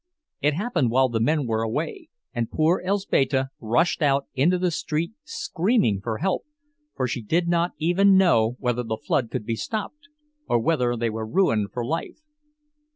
It happened while the men were away, and poor Elzbieta rushed out into the street screaming for help, for she did not even know whether the flood could be stopped, or whether they were ruined for life.